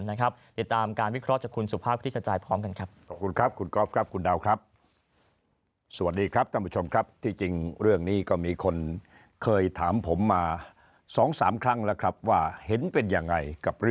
ติดตามการวิเคราะห์จากคุณสุภาพคลิกกระจายพร้อมกันครับ